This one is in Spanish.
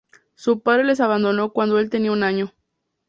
Su padre les abandono cuando el tenia un año.